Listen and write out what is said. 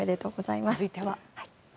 続いては。